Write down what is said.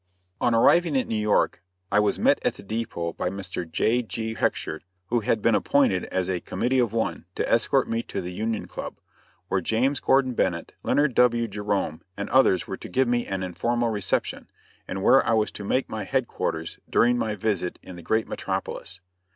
On arriving at New York I was met at the dépôt by Mr. J.G. Hecksher, who had been appointed as "a committee of one" to escort me to the Union Club, where James Gordon Bennett, Leonard W. Jerome and others were to give me an informal reception, and where I was to make my headquarters during my visit in the great metropolis.